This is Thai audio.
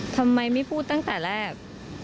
ทำไมไม่พูดตั้งแต่แรก